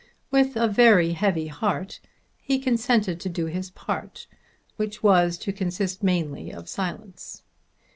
With a very heavy heart he consented to do his part, which was to consist mainly of silence.